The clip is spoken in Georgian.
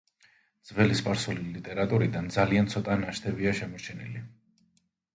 ძველი სპარსული ლიტერატურიდან ძალიან ცოტა ნაშთებია შემორჩენილი.